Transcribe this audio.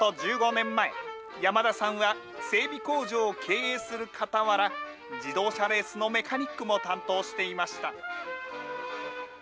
１５年前、山田さんは、整備工場を経営するかたわら、自動車レースのメカニックも担当していました。